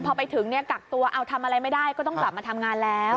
พอไปถึงเนี่ยกักตัวเอาทำอะไรไม่ได้ก็ต้องกลับมาทำงานแล้ว